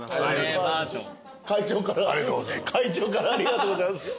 会長からありがとうございます。